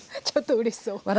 ちょっとうれしそう。